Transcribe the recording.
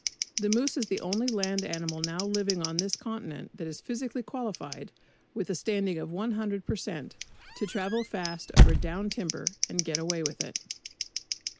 The moose is the only land animal now living on this continent that is physically qualified, with a standing of 100 per cent, to travel fast over "down timber" and get away with it.